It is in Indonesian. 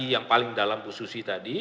saya ingin memberi peringatan dalam khususi tadi